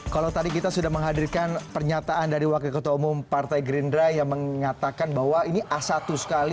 kalau tadi kita sudah menghadirkan pernyataan dari wakil ketua umum partai gerindra yang mengatakan bahwa ini a satu sekali